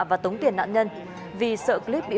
và tống tiền nạn nhân vì sợ clip bị